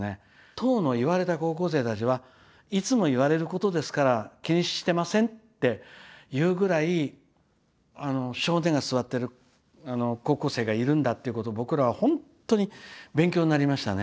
当の言われた高校生たちはいつも言われることですから気にしてませんっていうぐらい性根が据わってる高校生がいるんだってことを僕らは本当に勉強になりましたね。